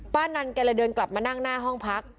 นันแกเลยเดินกลับมานั่งหน้าห้องพัก